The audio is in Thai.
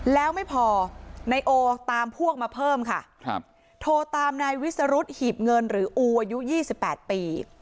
แล้วไม่พอนายโอตามพวกมาเพิ่มค่ะครับโทรตามนายวิสรุธหีบเงินหรืออูอายุ๒๘ปี